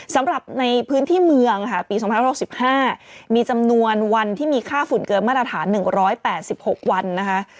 สำหรับในพื้นที่เมืองค่ะปี๒๐๖๕มีจำนวนวันที่มีค่าฝุ่นเกินมาตรฐาน๑๘๖วันนะคะ